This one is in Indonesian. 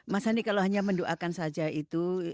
mas andi kalau hanya mendoakan saja itu